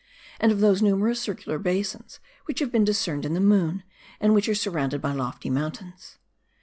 and of those numerous circular basins which have been discerned in the moon, and which are surrounded by lofty mountains.